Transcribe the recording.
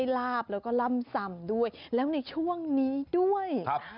ลาบแล้วก็ล่ำซำด้วยแล้วในช่วงนี้ด้วย